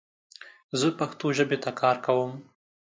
زه پښتو ژبې ته کار کوم